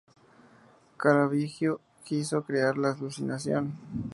Caravaggio quiso crear alucinación.